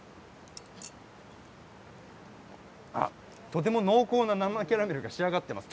とても濃厚な生キャラメルに仕上がっています。